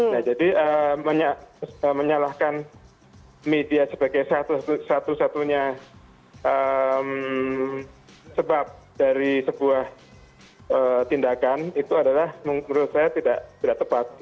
nah jadi menyalahkan media sebagai satu satunya sebab dari sebuah tindakan itu adalah menurut saya tidak tepat